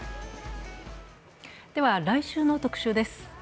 では、来週の特集です。